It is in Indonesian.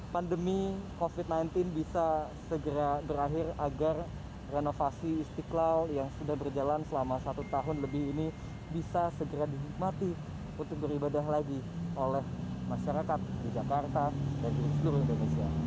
pandemi covid sembilan belas bisa segera berakhir agar renovasi istiqlal yang sudah berjalan selama satu tahun lebih ini bisa segera dinikmati untuk beribadah lagi oleh masyarakat di jakarta dan juga seluruh indonesia